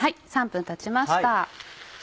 ３分たちました。